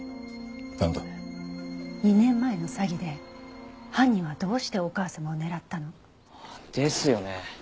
なんだ？２年前の詐欺で犯人はどうしてお母様を狙ったの？ですよね。